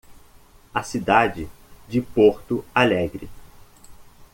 A cidade de Porto Alegre.